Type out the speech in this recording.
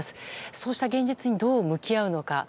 そうした現実にどう向き合うのか。